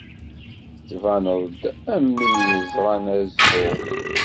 Tettbaneḍ-d am win yeẓran azɣuɣ.